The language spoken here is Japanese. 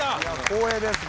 光栄です。